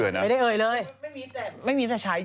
เอ่ย